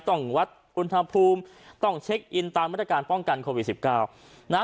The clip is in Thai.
ต้องวัดอุณหภูมิต้องเช็คอินตามมาตรการป้องกันโควิด๑๙นะฮะ